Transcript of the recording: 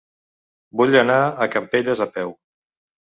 Vull anar a Campelles a peu.